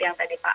yang tadi pak